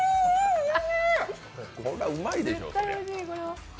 おいしい。